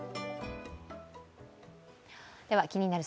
「気になる！